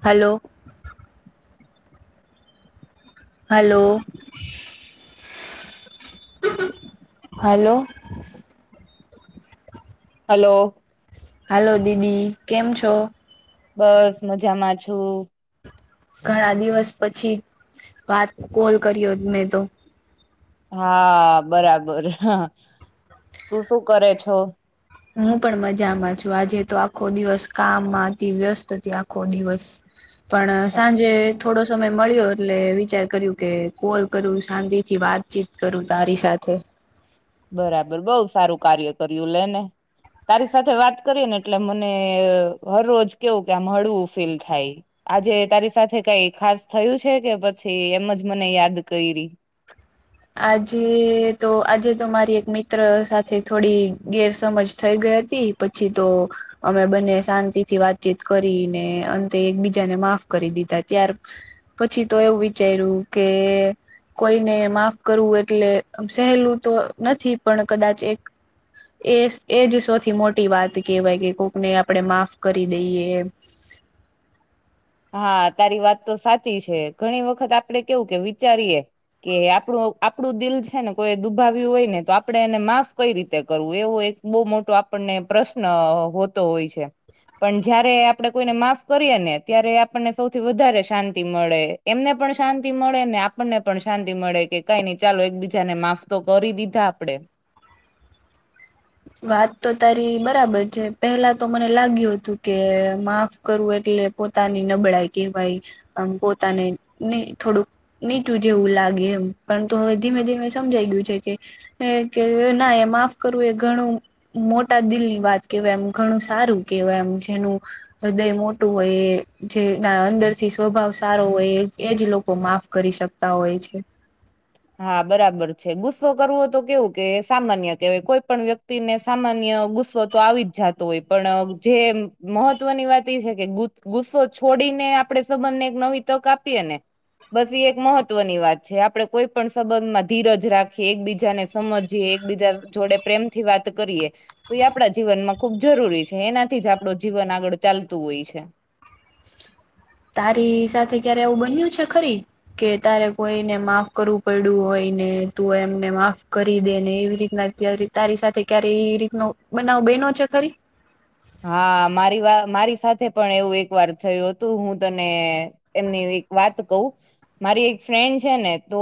Hello hello hello hello hello દીદી, કેમ છો? બસ મજામાં છું. ઘણા દિવસ પછી વાત કોલ કર્યો મેં તો હા, બરાબર હ તું શું કરે છો? હું પણ મજામાં છું આજે તો આખો દિવસ કામમાં હતી, વ્યસ્ત હતી આખો દિવસ પણ સાંજે થોડો સમય મળ્યો, એટલે વિચાર કર્યું કે કોલ કરું શાંતિ થી વાતચીત કરું તારી સાથે બરાબર બઉ સારું કાર્ય કર્યું લેને તારી સાથે વાત કરી ને એટલે મને હર રોજ કેવું કે આમ હળવું ફીલ થાય. આજે તારી સાથે કઈ ખાસ થયું છે કે, પછી એમ જ મને યાદ કયરિ આજે તો, આજે તો મારી એક મિત્ર સાથે થોડી ગેરસમજ થઈ ગઈ હતી, પછી તો અમે બંને શાંતિથી વાતચીત કરી ને, અંતે એકબીજાને માફ કરી દીધા ત્યાર પછી તો એવું વિચાર્યું કે, કોઈને માફ કરવું એટલે સહેલું તો નથી, પણ કદાચ એક એ એજ સૌથી મોટી વાત કેવાય કે કોકને આપણે માફ કરી દઈએ એમ હા, તારી વાત તો સાચી છે, ઘણી વખત આપડે કેવું કે વિચારીએ કે આપણું, આપણું દિલ છે ને કોઈ એ દુભાવ્યું હોય ને તો, આપડે એને માફ કઈ રીતે કરવું એવું એક બહુ મોટો આપણને પ્રશ્ન હોતો હોય છે. પણ જયારે આપણે કોઈને માફ કરીએ ને ત્યારે આપણને સૌથી વધારે શાંતિ મળે એમને પણ શાંતિ મળે ને આપણને પણ શાંતિ મળે કે કઈ નઈ ચાલો એક બીજા ને માફ તો કરી દીધા આપડે વાત તો તારી બરાબર છે પેલા તો મને લાગ્યું તું કે માફ કરવું એટલે પોતાની નબળાઈ કેવાય પોતાને નને થોડુંક નીચું જેવું લાગે એમ પર તો હવે ધીમે ધીમે સમજાઈ ગયું છે કે એ કે ના એ માફ કરવું એક ઘણું મોટા દિલની વાત કેવાય એમ ઘણું સારું કેવાય એમ જેનું હૃદય મોટુ હોય એ જેના અંદર થી સ્વભાવ સારો હોય એ એજ લોકો માફ કરી શક તા હોય છે હા બરાબર છે ગુસ્સો કરવો તો કેવું કે સામાન્ય કેવાય કોઈ પણ વ્યક્ત ક્તિ ને સામાન્ય ગુસ્સો તો આવી જ જાતો હોય પણ જે મહત્વની વાત એ છે કે ગૂ ગુસ્સો છોડીને આપડે સંબંધને એક નવી તક આપીએ ને બસ ઈ એક મહત્વની વાત છે આપડે કોઈ પણ સંબંધ માં ધીરજ રાખીએ એકબીજાને સમજીએ એકબીજા જોડે પ્રેમથી વાત કરીએ તો એ આપણા જીવનમાં ખુબ જરૂરી છે એનાથી જ આપણું જીવન આગળ ચાલતું હોય છે તારી સાથે ક્યારે એવું બન્યું છે ખરી કે તારે કોઈને માફ કરવું પડ્યું હોય ને તું એમને માફ કરી દે ને એવી રીતના ત્યારે તારી સાથે ક્યારે એ રીતનો બનાવ બયનો છે ખરી હા મારી વા મારી સાથે પણ એવું એક વાર થયું હતું હું તને એમને હવે એક વાત કહું મારી એક ફ્રેન્ડ છે ને તો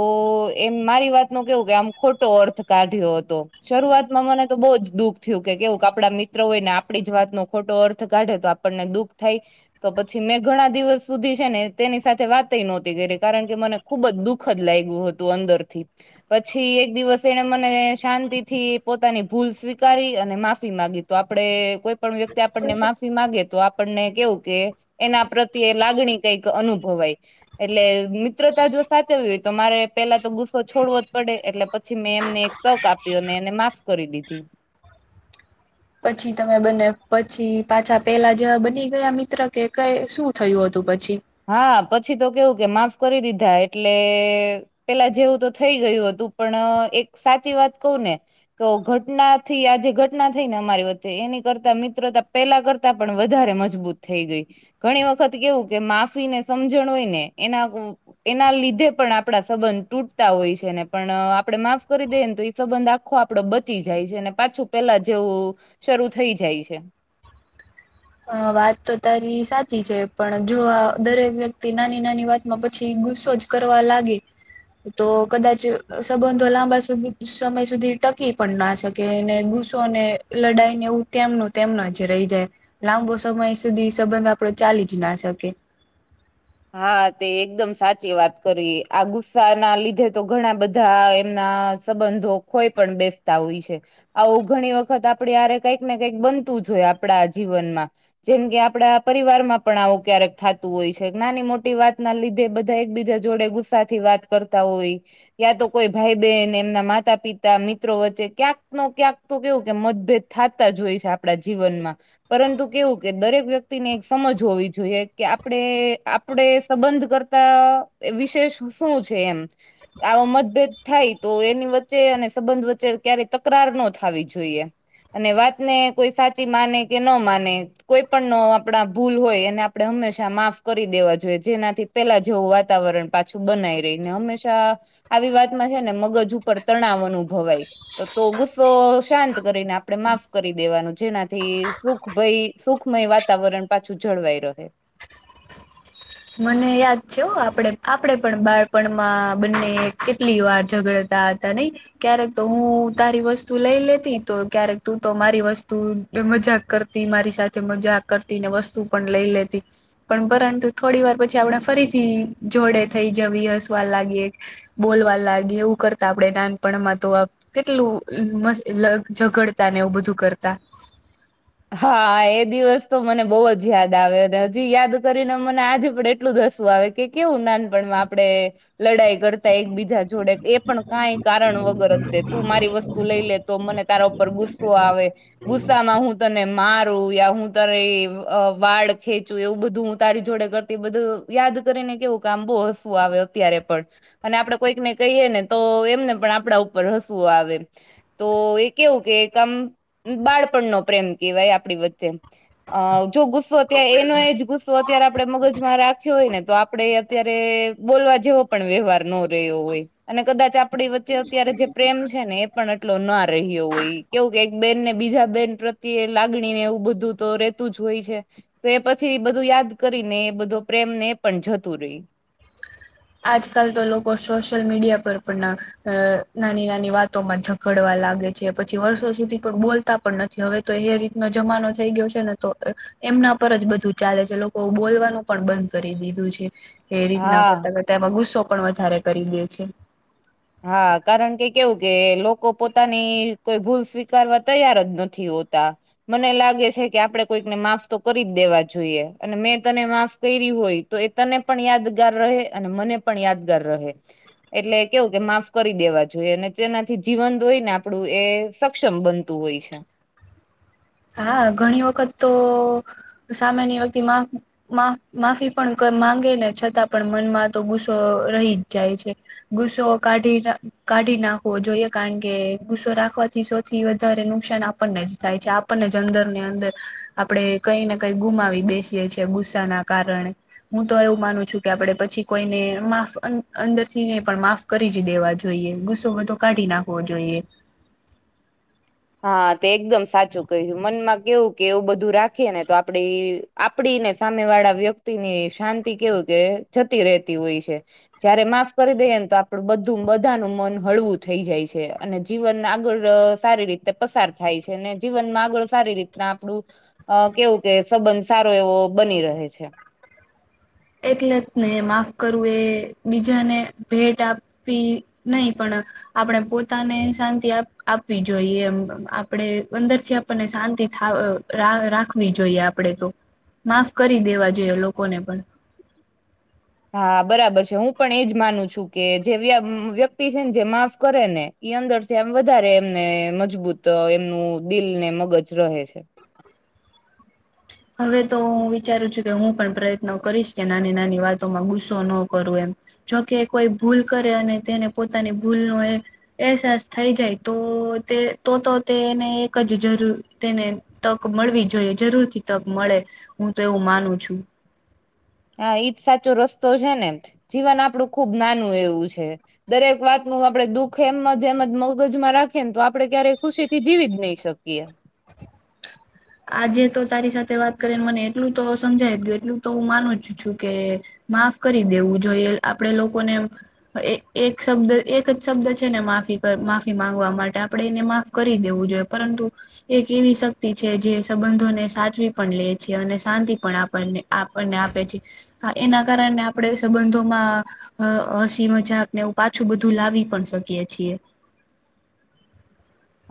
એમ મારી વાત નું કેવું કે આમ ખોટો અર્થ કાઢ્યો હતો શરૂઆતમાં મને તો બહુ જ દુઃખ થયું કે કેવું આપડા મિત્ર હોય ને આપ આપડી જ વાત નો ખોટો અર્થ કાઢે તો આપણને દુઃખ થાય તો પછી મેં ઘણા દિવસ સુધી છે ને તેની સાથે વાતય નહોતી કરી કારણ કે મને ખુબ જ દુઃખદ લાઈ ગયું હતું અંદરથી પછી એક દિવસ એને મને શાંતિ થી પોતાની ભૂલ સ્વીકારી અને માફી માગી તો આપડે કોઈ પણ વ્યક્તિ આપણને માફી માંગે તો આપ આપણને કેવું કે એના પ્રત્યે લાગણી કઈક અનુભવાય એટલે મિત્રતા જો સાચવવી હોય તો મારે પેલા તો ગુસ્સો છોડવો જ પડે એટલે પછી મેં એમને તક આપી અને એને માફ કરી દીધી પછી તમે બંને પછી પાછા પેલા જેવા બની ગયા મિત્ર કે કઈ શું થયું હતું પછી હા પછી તો કેવું કે માફ કરી દીધા એટલે પેલા જેવું તો થઈ ગયું હતું પણ એક સાચી વાત કહું ને તો ઘટના થી આજે ઘટના થઈ ને અમારી વચ્ચે એની કરતા મિત્રતા પેલા કરતા પણ વધારે મજબૂત થઈ ગઈ ઘણી વખત કેવું કે માફ ને સમજણ હોય ને એના એના લીધે પણ આપણા સંબંધ તૂટતા હોય છે ને પણ આપડે માફ કરી દઈએને તો એ સંબંધ આખો આપડે બચી જાય છે અને પાછું પેલા જેવું શરૂ થઈ જાય છે અ વાત તો તારી સાચી છે પણ જો આ દરેક વ્યક્તિ નાની નાની વાતમાં પછી ગુસ્સો જ કરવા લાગે તો કદાચ સંબંધો લાંબા સ સમય સુધી ટકી પણ ના શકે કે એને ગુસ્સો ને લડાઈ ને એવું તેમનું તેમના જ રહી જાય લાંબો સમય સુધી સંબંધ આપડો ચાલી જ ના શકે હા તે એકદમ સાચી વાત કરી આ ગુસ્સા ના લીધે તો ઘણા બધા એમના સંબંધો ખોઈ પણ બેસતા હોય છે આવું ઘણી વખત આપડી હાંરે કઈક ને કંઈક બનતું જ હોય આપણા જીવનમાં જેમ કે આપડા પરિવાર માં પણ આવું ક્યારેક થાતું હોય છે નાની મોટી વાત ના લીધે બધા એક બીજા જોડે ગુસ્સા થી વાત કરતા હોય યા તો કોઈ ભાઈ બહેન એમના માતા પિતા મિત્રો વચ્ચે ક્યાંક નો ક્યાંક તો કેવું કે મતભેદ થાતા જ હોય છે આપણા જીવનમાં પરંતુ કેવું કે દરેક વ્યક્તિને એક સમજ હોવી જોઈએ કે આપણેે આપડે સંબંધ કરતા વિશેષ શું છે એમ આવો મતભેદ થાય તો એની વચ્ચે અને સંબંધ વચ્ચે ક્યારેય તકરાર ન થાવી જોઈએ. અને વાત ને કોઈ સાચી માને કે ન માને કોઈ પણ ન આપણા ભૂલ હોય એને આપડે હંમેશા માફ કરી દેવા જોઈએ જેનાથી પેલા જેવું વાતાવરણ પાછું બનાઈ રહીને હંમેશા આવી વાતમાં છે ને મગજ ઉપર તણાવ અનુભવાય તો ગુસ્સો શાંત કરીને આપણે માફ કરી દેવાનું જેનાથી સુખભાઈ સુખમય વાતાવરણ પાછું જળવાઈ રહે. મને યાદ છે હો આપડે આપડે પણ બાળપણમાં બંને કેટલી વાર ઝગડ તા તા નહી ક્યારેક તો હું તારી વસ્તુ લઈ લેતી તો ક્યારેક તું તો મારી વસ્તુ મજાક કરતી મારી સાથે મજાક કરતી ને વસ્તુ પણ લઈ લેતી પણ પરંતુ થોડી વાર પછી આપણે ફરીથી જોડે થઈ જવી હસવા લાગી બોલવા લાગી એવું કરતા આપડે નાનપણમાં તો કેટલું મસ્ત ઝઘડતા ને એવું બધું કરતા હા એ દિવસ તો મને બઉ જ યાદ આવે અને હજી યાદ કરીને મને આજે પણ એટલું જ હસું આવે કે કેવું નાનપણમાં આપણે લડાઈ કરતા એકબીજા જોડે એ પણ કાઈ કારણ વગર જ તે તું મારી વસ્તુ તું લઈ લે તો મને તારા ઉપર ગુસ્સો આવે ગુસ્સામાં હું તને મારું યા હું તારે વાળ ખેંચું એવું હું તારી જોડે કર તે બધું યાદ કરી ને કેવું કામ બહુ હસવું આવે અત્યારે પણ અને આપડે કોઈકને કહીએ ને તો એમને પણ આપડા ઉપર હસવું આવે તો એ કેવું કે આમ બાળપણ નો પ્રેમ કેવાય આપણી વચ્ચે અ જો ગુસ તો તે એનો એ ગુસ્સો અત્યારે આપણે મગજ માં રાખ્યો હોય ને તો આપડે અત્યારે બોલવા જેવો પણ વ્યવહાર નો રહ્યો હોય અને કદાચ આ આપણી વચ્ચે અત્યારે જે પ્રેમ છે. ને એ પણ એટલો ના રહ્યો હોય કેવું કે એક બેન ને બીજા બેન લાગણી ને એવું બધું તો રેતું જ હોય છે. તો એ પછી બધું યાદ કરીને એ બધો પ્રેમને એ પણ જતું રહી. આજકાલ તો લોકો સોશિયલ મીડિયા પર પણ અ નાની નાની વાતોમાં જ ઘડવા લાગે છે, પછી વર્ષો સુધી પણ બોલતા પણ નથી હવે તો એ રીતનો જમાનો થઈ ગયો છે ને તો એમના પર જ બધું ચાલે છે, લોકો બોલવાનું પણ બંધ કરી દીધું છે. એ રીતના હા કરતા કરતા એમાં ગુસ્સો પણ વધારે કરી દે છે. હા કારણ કે કેઉ કે લોકો પોતાની કોઈ ભૂલ સ્વીકારવા તૈયાર જ નથી હોતા મને લાગે છે કે આપડે કોઈકને માફ તો કરી જ દેવા જોઈએ અને મેં તને માફ કયરી હોય તો એ તને પણ યાદગાર રહે અને મને પણ યાદગાર રહે એટલે કેવું કે માફ કરી દેવા જોઈએ અને જેનાથી જીવન ધ હોઈ ને આપડું એ સક્ષમ બનતું હોય છે, હા ઘણી વખત તો સામેની વખતે માં માં માફી પણ માંગે ને છતાં પણ મનમાં તો ગુસ્સો રહી જ જાય છે. ગુસ્સો કાઢી કાઢી નાખવો જોઈએ કારણ કે ગુસ્સો રાખવાથી સૌથી વધારે નુકસાન આપ પણનેજ થાય છે આપ આપને જ અંદર ની અંદર આપડે કઈ ને કઈ ગુમાવી બેસીએ છીએ ગુસ્સા ના કારણે. હું તો એવું માનું છું કે આપડે પછી કોઈને માફ અં-અંદર થી નને પણ માફ કરી જ દેવા જોઈએ ગુસ્સો બધો કાઢી નાખવો જોઈએ. હા તે એકદમ સાચું કહ્યું મનમાં કેવું કે એવું બધું રાખીયેને તો આપડે એ આપડી ને સામે વાળા વ્યક્તિની શાંતિ કેવું કે જતી રહેતી હોય છે. જયારે માફ કરી દઈએને તો આપડું બધું બધાનુ મન હળવું થઈ જાય છે, અને જીવન આગળ અહ સારી રીતે છેને જીવનમાં આગળ સારી રીતના આપણું અહ કેવું કે સંબંધ સારો એવો બની રહે છે. એટલે જ ને માફ કરવું એ બીજાને ભેટ આપ વી નહી પણ આપડે પોતાને શાંતિ આપ-આપવી જોઈએ એમ આપડે અંદરથી આપ આપને શાંતિ થાવ રાખવી જોઈએ આપડે તો માફ કરી દેવા જોઈએ લોકોને પણ. હા બરાબર છે, હું પણ એજ માનું છું કે જેવી આ વ્યક્તિ છેને જે માફ કરેને ઈ અંદર થી આમ વધારે એમને મજબૂત એમનું દિલને મગજ રહે છે. હવે તો હું વિચારું છું કે હું પણ પ્રયત્નો કરીશ કે નાની નાની વાતોમાં ગુસ્સો ન કરું એમ. જોકે કોઈ ભૂલ કરે અને તેને પોતાની ભૂલનો એ અહેસાસ થઈ જાય તો તે તો તો તેને એકજ જરૂર તેને તક મળવી જોઈએ જરૂર થી તક મળે હું તો એવું માનું છું. હા ઈજ સાચો રસ્તો છે ને જીવન આપડું ખુબ નાનું એવું છે. દરેક વાતનું આપડે દુઃખ એમ જ એમ જ મગજમાં રાખીએ ને તો આપડે ક્યારેય ખુશી થી જીવીજ નહી શકીએ. આજે તો તારી સાથે વાત કરીને મને એટલું તો સમજાય ગયુ એટલું તો હું માનું જ છું કે માફ કરી દેવું જોઈએ, આપડે લોકોને. એ એક શબ્દ એક જ શબ્દ છે ને માફી પ માફી માંગવા માટે આપણેે એને માફ કરી દેવું જોઈએ પરંતુ એક એવી શક્તિ છે જે સંબંધોને સાચવી પણ લે છે, અને શાંતિ પણ આપણને આપણને આપે છે. હા એના કારણે આપણે સંબંધોમાં અહ હસી મજાકને એવું પાછું બધું લાવી પણ શકીએ છીએ.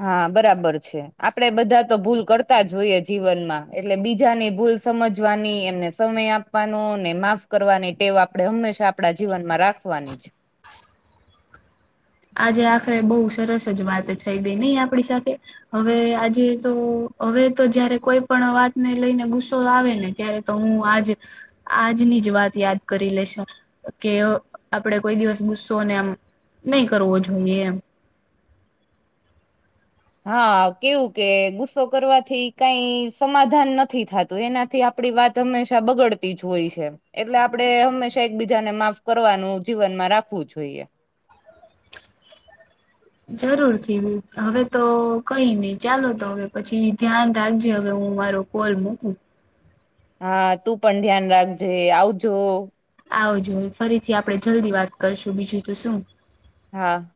હા બરાબર છે. આપડે બધા તો ભૂલ કરતા જ જોઈએ જીવનમાં એટલે બીજાની ભૂલ સમજવાની એમને સમય આપવાનો ને માફ કરવાની ટેવ આપડે હંમેશા આપડે જીવનમાં રાખ વાની જ. આજે આખરે બહુ સરસ જ વાત થઈ ગઈ નહી આપડી સાથે? હવે આજેતો હવેતો જયારે કોઈ પણ વાતને લઈને ગુસ્સો આવે ને ત્યારે તો હું આજ આજની જ વાત યાદ કરી લેશું છે કે આપડે કોઈ દિવસ ગુસ્સોને આમ નહી કરવો જોઈએ એમ. હા કેવું કે ગુસ્સો કરવાથી કઈ સમાધાન નથી થતું એનાથી આપ પડી વાત હંમેશા બગડતી જ હોય છે. એટલે આપડે હંમેશા એકબીજાને માફ કરવાનું જીવનમાં રાખવું જોઈએ. જરૂર થી હવે તો કઈ નહી ચાલો તો હવે પછી ધ્યાન રાખજે હવે હું મારો. કોલ મુકું. હા તું પણ ધ્યાન રાખજે આવજો આવજો ફરીથી આપણે જલ્દી વાત કરશું બીજું તો શું હા.